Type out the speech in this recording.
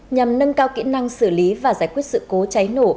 nhằm nâng cao kỹ năng xử lý và giải quyết sự cố cháy nổ